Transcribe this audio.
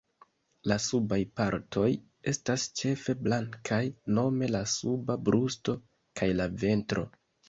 La subaj partoj estas ĉefe blankaj nome la suba brusto kaj la ventro.